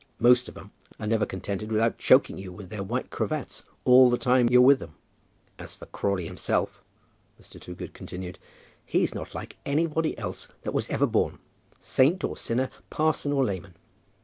Most of 'em are never contented without choking you with their white cravats all the time you're with 'em. As for Crawley himself," Mr. Toogood continued, "he's not like anybody else that ever was born, saint or sinner, parson or layman.